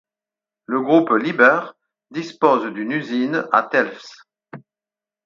Le groupe Liebherr dispose d'une usine à Telfs.